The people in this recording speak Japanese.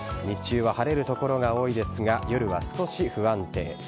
日中は晴れる所が多いですが、夜は少し不安定。